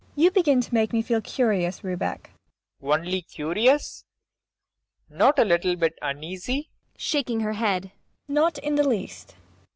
You begin to make me feel curious, Rubek. PROFESSOR RUBEK. Only curious? Not a little bit uneasy. MAIA. [Shaking her head.] Not in the least.